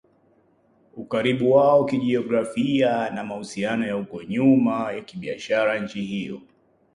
ukaribu wao kijografia na mahusiano ya huko nyuma ya kibiashara na nchi hiyo